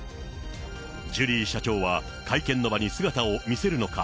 ジュリー社長は会見の場に姿を見せるのか。